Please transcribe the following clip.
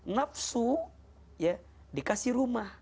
nafsu dikasih rumah